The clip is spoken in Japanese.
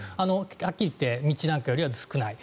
はっきり言って道なんかより少ない。